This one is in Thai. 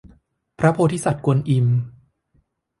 พระโพธิสัตว์กวนอิม